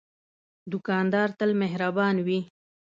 دوکاندار تل مهربان وي.